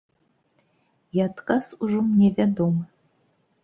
І адказ ужо мне вядомы.